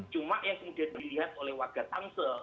cuma yang kemudian dilihat oleh warga tangsel